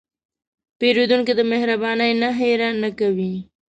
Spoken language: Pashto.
پیرودونکی د مهربانۍ نه هېره نه کوي.